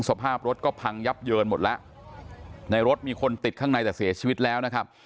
สภาพรถก็พังยับเยินหมดแล้วในรถมีคนติดข้างในแต่เสียชีวิตแล้วนะครับ